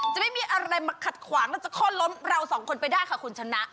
จะไม่มีอะไรมาขัดขวางแล้วจะคลอดล้นเราสองคนไปได้ค่ะคุณชนะ